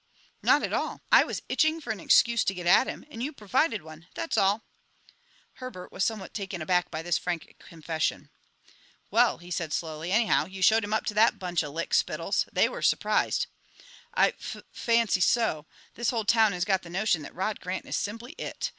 "Not at all. I was itching for an excuse to get at him, and you provided one, that's all." Herbert was somewhat taken aback by this frank confession. "Well," he said slowly, "anyhow, you showed him up to that bunch of lickspittles. They were surprised." "I fuf fancy so. This whole town has got the notion that Rod Grant is simply it.